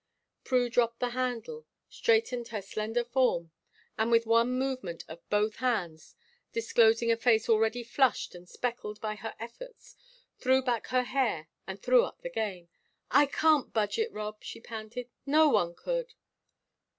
Prue dropped the handle, straightened her slender form, and, with one movement of both hands, disclosing a face already flushed and speckled by her efforts, threw back her hair and threw up the game. "I can't budge it, Rob!" she panted. "No one could."